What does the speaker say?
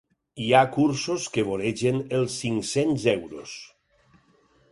Hi ha cursos que voregen els cinc-cents euros.